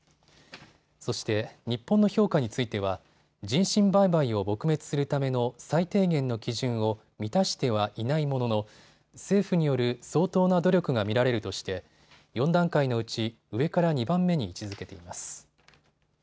そして日本の評価については人身売買を撲滅するための最低限の基準を満たしてはいないものの政府による相当な努力が見られるとして４段階のうち上から２番目に位置づけています。